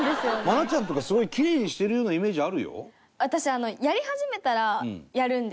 愛菜ちゃんとかすごいキレイにしてるようなイメージあるよ。